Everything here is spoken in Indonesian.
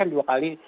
kan dua kali